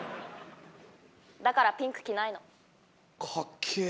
だからピンク着ないの。かっけえ！